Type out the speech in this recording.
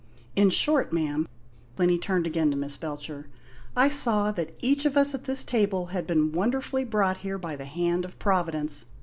In short, ma'am" Plinny turned again to Miss Belcher "I saw that each of us at this table had been wonderfully brought here by the hand of Providence.